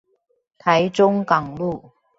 台中港路